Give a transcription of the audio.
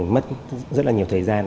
mất rất là nhiều thời gian